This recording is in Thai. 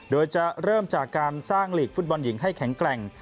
โดยจะเริ่มจากการสร้างหลีกฟุตบอลหญิงให้แข็งแกร่ง